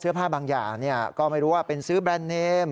ผ้าบางอย่างก็ไม่รู้ว่าเป็นซื้อแบรนด์เนม